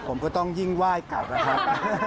ผมก็ต้องยิ่งไหว้กลับนะครับ